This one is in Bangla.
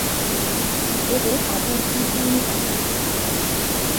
এদের অপর নাম টিউনিকাটা।